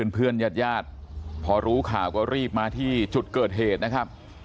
ญาติญาติพอรู้ข่าวก็รีบมาที่จุดเกิดเหตุนะครับ